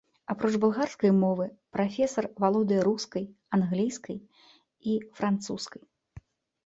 Апроч балгарскай мовы, прафесар валодае рускай, англійскай і французскай.